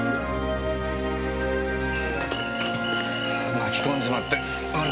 巻き込んじまって悪かったな。